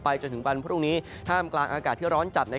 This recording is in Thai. จนถึงวันพรุ่งนี้ท่ามกลางอากาศที่ร้อนจัด